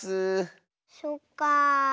そっかあ。